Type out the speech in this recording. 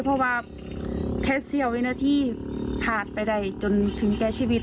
เพราะว่าแค่เสี้ยววินาทีผ่านไปได้จนถึงแก่ชีวิต